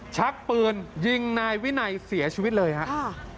ชักปืนยิงนายวินัยเสียชีวิตเลยครับ